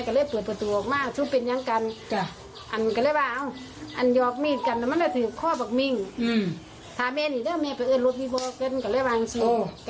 ก็เลยบอกว่ามันจะยั่งบราธิงค่ะบักตีมันตายมันจะดึงมีดออก